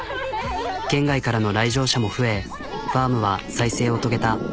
県外からの来場者も増えファームは再生を遂げた。